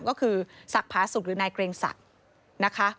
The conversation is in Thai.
ก็คือศักดิ์พระศุกร์หรือนายเกรงศักดิ์